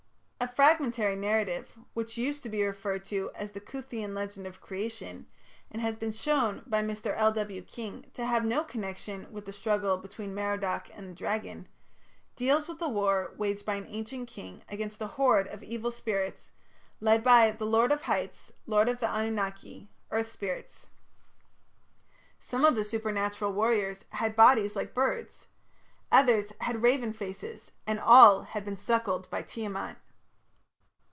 A fragmentary narrative, which used to be referred to as the "Cuthean Legend of Creation", and has been shown by Mr. L.W. King to have no connection with the struggle between Merodach and the dragon, deals with a war waged by an ancient king against a horde of evil spirits, led by "the lord of heights, lord of the Anunaki (earth spirits)". Some of the supernatural warriors had bodies like birds; others had "raven faces", and all had been "suckled by Tiamat".